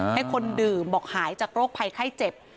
ให้คนดื่มบอกหายจากโรคภัยไข้เจ็บ